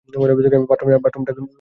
বাথরুমটা কি ওইদিকে?